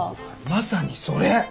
まさにそれ。